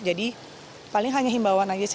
jadi paling hanya himbawan saja sih